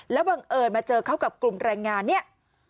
แล้วบังเอิญมาเจอเข้ากับกลุ่มแรงงานเนี่ย